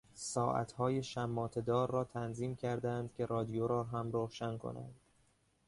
ساعتهای شماطهدار را تنظیم کردهاند که رادیو را هم روشن کنند.